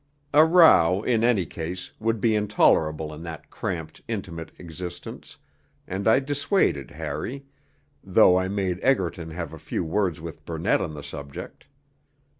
A row, in any case, would be intolerable in that cramped, intimate existence, and I dissuaded Harry, though I made Egerton have a few words with Burnett on the subject.